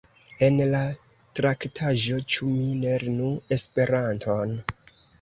En la traktaĵo Ĉu mi lernu Esperanton?